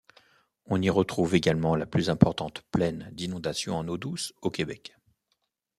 On y retrouve également la plus importante plaine d’inondation en eau douce au Québec.